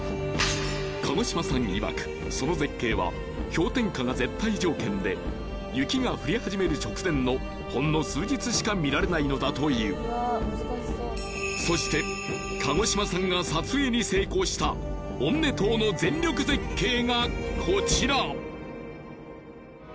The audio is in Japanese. いわくその絶景は氷点下が絶対条件で雪が降り始める直前のほんの数日しか見られないのだというそして神子島さんが撮影に成功したオンネトーの全力絶景がコチラ！